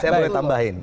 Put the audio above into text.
saya boleh tambahin